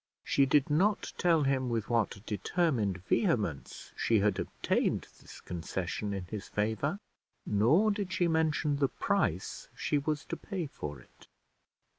She did not tell him with what determined vehemence she had obtained this concession in his favour, nor did she mention the price she was to pay for it.